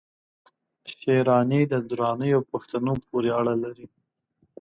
شېراني د درانیو پښتنو پوري اړه لري